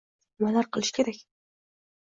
nimalar qilish kerak?